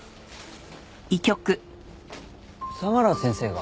相良先生が？